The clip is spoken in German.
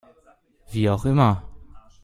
Wie auch immer.